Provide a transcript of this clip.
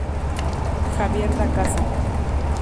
Javier Da Casa.